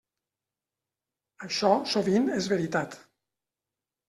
Això sovint és veritat.